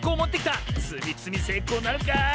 つみつみせいこうなるか？